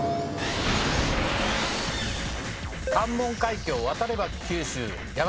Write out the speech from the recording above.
関門海峡わたれば九州山口県。